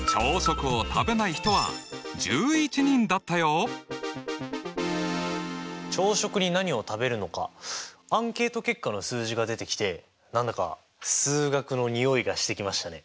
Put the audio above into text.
その結果は朝食に何を食べるのかアンケート結果の数字が出てきて何だか数学のにおいがしてきましたね。